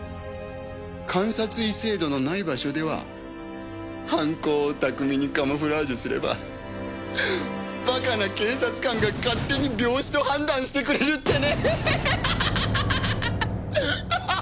監察医制度のない場所では犯行を巧みにカムフラージュすればバカな警察官が勝手に病死と判断してくれるってね！